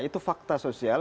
itu fakta sosial